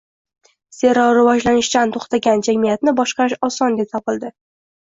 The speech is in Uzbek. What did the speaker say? Zero rivojlanishdan to‘xtagan jamiyatni boshqarish oson deb topildi